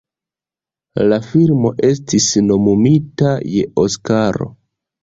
La filmo estis nomumita je Oskaro.